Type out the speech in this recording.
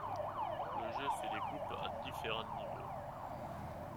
Le jeu se découpe en différents niveaux.